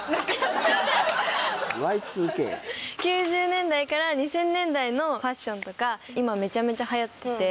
９０年代から２０００年代のファッションとか今めちゃめちゃ流行ってて。